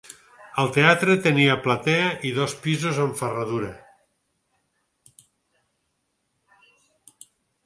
El teatre tenia platea i dos pisos en ferradura.